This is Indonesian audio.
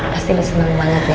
pasti lu seneng banget ya